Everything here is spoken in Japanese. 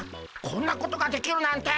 こんなことができるなんて。